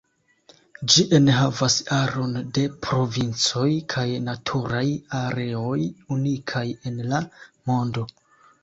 Ĝi enhavas aron de provincoj kaj naturaj areoj unikaj en la mondo.